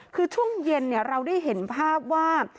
คือช่วงเย็นเราได้เห็นภาพว่า